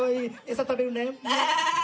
餌食べる？